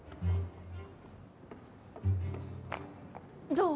どう？